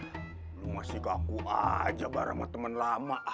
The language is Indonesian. lo masih kaku aja bareng sama temen lama